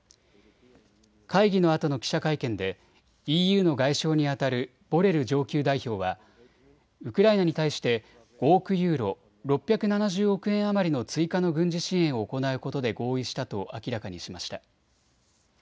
会議のあとの記者会見でＥＵの外相にあたるボレル上級代表はウクライナに対して５億ユーロ、６７０億円余りの追加の軍事支援を行うことで合意したと明らかにしました。